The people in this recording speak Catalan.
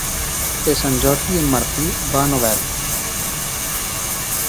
Per Sant Jordi en Martí va a Novetlè.